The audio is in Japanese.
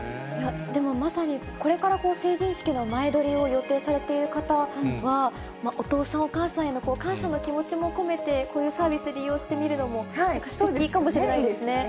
でも、まさにこれから成人式の前撮りを予定されている方は、お父さん、お母さんへの感謝の気持ちも込めて、こういうサービス利用してみるのもすてきかもしれないですね。